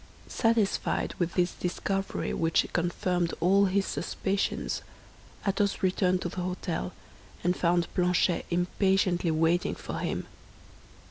Satisfied with this discovery which confirmed all his suspicions, Athos returned to the hôtel, and found Planchet impatiently waiting for him.